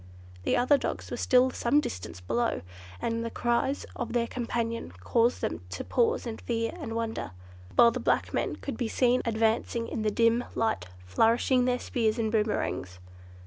The other dogs were still some distance below, and the cries of their companion caused them to pause in fear and wonder, while the black men could be seen advancing in the dim light, flourishing their spears and boomerangs.